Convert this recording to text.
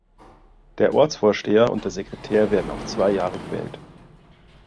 Der Ortsvorsteher und der Sekretär werden auf zwei Jahre gewählt.